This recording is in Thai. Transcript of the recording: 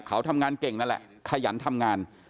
เขาทำงานเก่งนั่นแหละขยันทำงาน